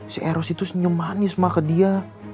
si eros itu senyum manis ma ke dia